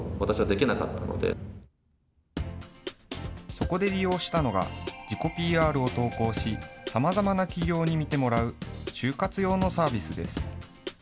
そこで利用したのが、自己ＰＲを投稿し、さまざまな企業に見てもらう就活用のサービスです。